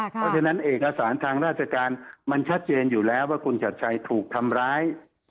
เพราะฉะนั้นเอกสารทางราชการมันชัดเจนอยู่แล้วว่าคุณชัดชัยถูกทำร้าย